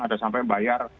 ada sampai bayar